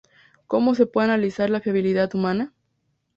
Como se puede analizar la fiabilidad humana?